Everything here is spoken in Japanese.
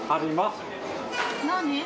何？